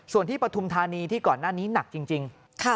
ส่วนที่ปฐุมธานีที่ก่อนหน้านี้หนักจริง